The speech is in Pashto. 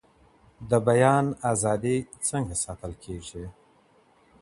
د بیان آزادي څنګه ساتل کیږي؟